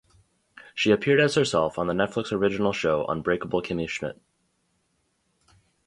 She appeared as herself on the Netflix original show, "Unbreakable Kimmy Schmidt".